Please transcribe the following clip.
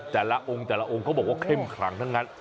แต่ละองค์เขาบอกว่าเข้มขังทั้งนั้น